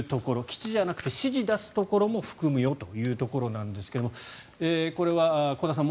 基地じゃなくて指示を出すところも含むよということですがこれは香田さん